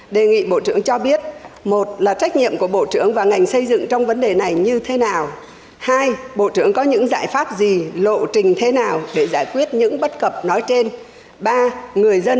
đề nghị bộ trưởng cho biết một là trách nhiệm của bộ trưởng và ngành xây dựng trong vấn đề này như thế nào hai bộ trưởng có những giải pháp gì lộ trình thế nào để giải quyết những bất cập nói trên